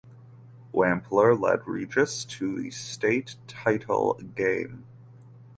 Wampler led Regis to the state title game.